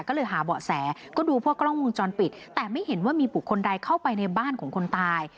ก็เลยหาเบาะแสก็ดูพวกกล้องวงจรปิดแต่ไม่เห็นว่ามีบุคคลใดเข้าไปในบ้านของคนตาย